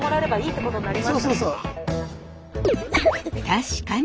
確かに！